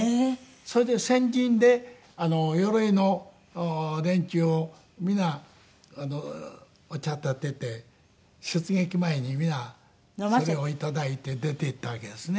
それで戦陣で鎧の連中を皆お茶たてて出撃前に皆それを頂いて出て行ったわけですね。